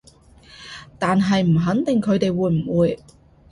但係唔肯定佢哋會唔會